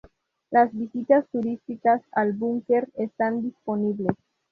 Las visitas turísticas al búnker están disponibles.